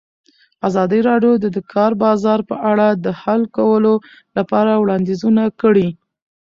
ازادي راډیو د د کار بازار په اړه د حل کولو لپاره وړاندیزونه کړي.